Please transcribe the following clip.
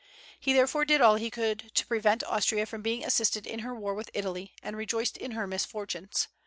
He therefore did all he could to prevent Austria from being assisted in her war with Italy, and rejoiced in her misfortunes.